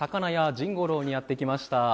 甚五朗にやってきました。